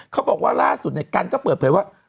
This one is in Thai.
เขาบอกว่าร่าสุดเนี่ยกัลก็เปิดผลว่า